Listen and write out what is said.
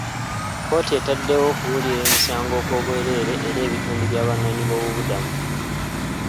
Kkooti etaddewo okuwulira emisango okw'obwereere eri ebitundu by'Abanoonyiboobubudamu.